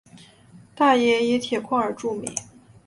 大冶以铁矿而著名。